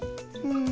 うん。